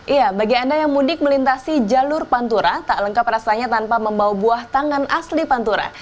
iya bagi anda yang mudik melintasi jalur pantura tak lengkap rasanya tanpa membawa buah tangan asli pantura